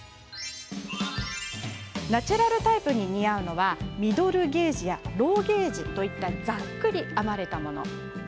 ナチュラルタイプに似合うのはミドルゲージやローゲージといったざっくり編まれたもの。